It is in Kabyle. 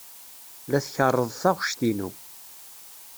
La tkerreḍ taɣect-inu.